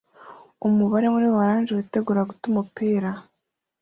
Umubare muri orange witegura guta umupira